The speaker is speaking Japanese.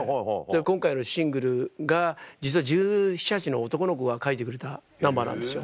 今回のシングルが実は１７１８歳の男の子が書いてくれたナンバーなんですよ。